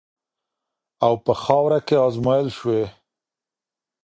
او په خاوره کې ازمویل شوې.